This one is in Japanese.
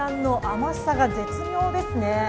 甘さが絶妙ですね。